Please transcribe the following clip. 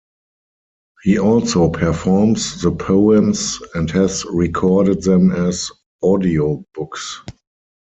He also performs the poems, and has recorded them as audio books.